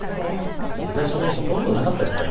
日ざしもほとんどなかったですから。